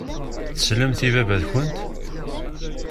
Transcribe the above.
Teslamt i baba-tkent.